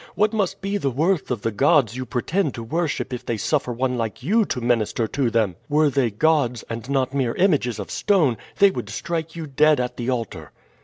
What must be the worth of the gods you pretend to worship if they suffer one like you to minister to them? Were they gods, and not mere images of stone, they would strike you dead at the altar."